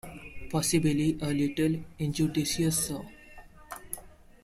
Possibly a little injudicious, sir.